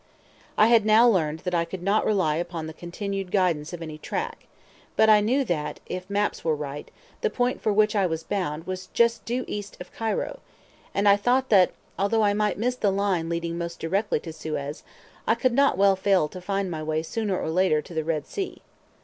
I had now learned that I could not rely upon the continued guidance of any track, but I knew that (if maps were right) the point for which I was bound bore just due east of Cairo, and I thought that, although I might miss the line leading most directly to Suez, I could not well fail to find my way sooner or later to the Red Sea.